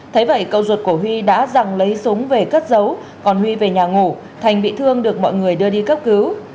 thấy vậy cầu ruột của huy đã rằng lấy súng về cất giấu còn huy về nhà ngủ thành bị thương được mọi người đưa đi cấp cứu